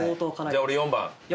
じゃ俺４番。